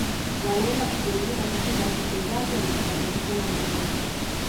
Wanaenda kupumzika katika fukwe zake na kubadilishana mawazo